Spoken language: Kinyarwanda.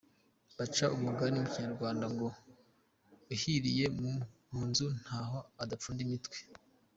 Baca umugani mu Kinyarwanda ngo uhiriye mu nzu ntaho adapfunda umutwe.